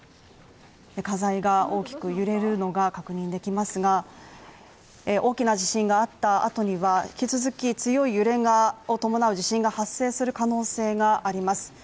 家財が大きく揺れるのが確認できますが、大きな地震があった後には引き続き強い揺れを伴う地震が発生する可能性があります。